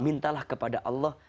mintalah kepada allah